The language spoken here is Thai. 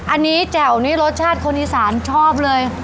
อันนี้แจ่วนี่รสชาติคนอีสานชอบเลย